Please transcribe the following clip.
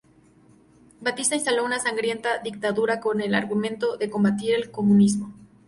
Batista instaló una sangrienta dictadura con el argumento de combatir al comunismo.